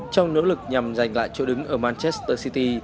trong nỗ lực nhằm giành lại chỗ đứng ở manchester city